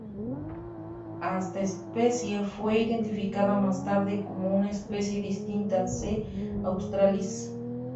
Esta especie fue identificada más tarde como una especie distinta, "C. australis".